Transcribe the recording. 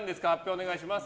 お願いします。